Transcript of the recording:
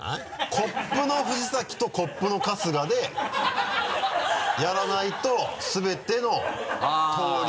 コップの藤崎とコップの春日でやらないと全ての通り。